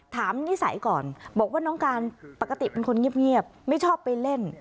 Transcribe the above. นิสัยก่อนบอกว่าน้องการปกติเป็นคนเงียบไม่ชอบไปเล่น